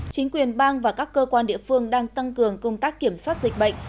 chính quyền bang và các cơ quan địa phương đang tăng cường công tác kiểm soát dịch bệnh